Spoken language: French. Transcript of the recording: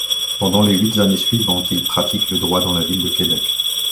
Pendant les huit années suivantes, il pratique le droit dans la ville de Québec.